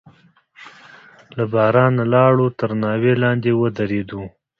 له بارانه لاړو، تر ناوې لاندې ودرېدو.